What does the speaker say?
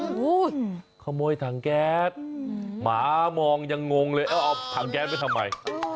โอ้โหขโมยถังแก๊สหมามองยังงงเลยเอาถังแก๊สไปทำไม